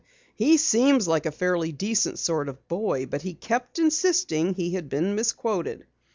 He seemed like a fairly decent sort of boy, but he kept insisting he had been misquoted.